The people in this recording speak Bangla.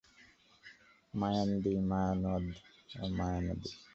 মায়ানদি, মায়ানদও, মায়ানদি।